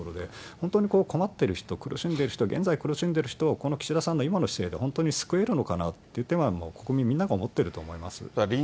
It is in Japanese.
本当に困ってる人、苦しんでいる人、現在苦しんでいる人をこの岸田さんの今の姿勢で本当に救えるのかなっていう点は、国民みんなが思ってると思います。